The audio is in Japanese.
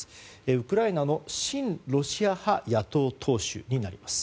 ウクライナの親ロシア派野党党首になります。